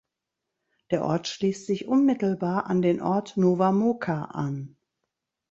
Der Ort schließt sich unmittelbar an den Ort Nova Moca an.